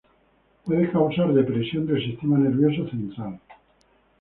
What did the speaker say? Puede causar depresión del sistema nervioso central.